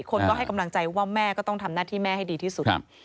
คนก็ให้กำลังใจว่าแม่ก็ต้องทำหน้าที่แม่ให้ดีที่สุด